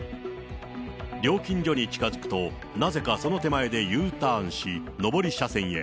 料金所に近づくと、なぜかその手前でＵターンし、上り車線へ。